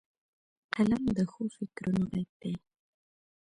قلم د ښو فکرونو غږ دی